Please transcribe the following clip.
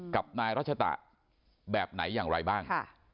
กับนายรัชตะแบบไหนอย่างไรบ้าง